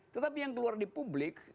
tetapi yang keluar di publik